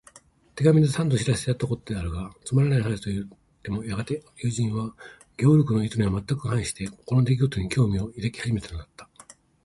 手紙で三度知らせてやったことであるが、つまらない話といってもやがて友人は、ゲオルクの意図にはまったく反して、この出来ごとに興味を抱き始めたのだった。